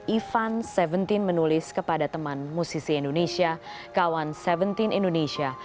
ivan tujuh belas menulis kepada teman musisi indonesia kawan tujuh belas indonesia